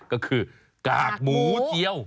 ก็คือกากหมูเจียว